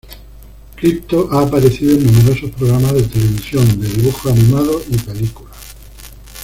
Krypto ha aparecido en numerosos programas de televisión de dibujos animados y películas.